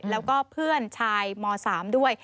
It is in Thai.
แล้วก็เพื่อนชายม๓ด้วย